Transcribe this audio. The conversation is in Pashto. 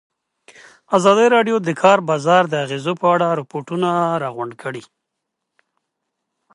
ازادي راډیو د د کار بازار د اغېزو په اړه ریپوټونه راغونډ کړي.